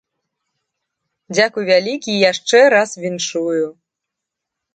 Дзякуй вялікі і яшчэ раз віншую!